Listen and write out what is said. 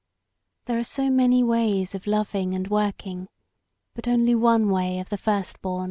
There are so many ways of loving and working, but only one way of the first bom.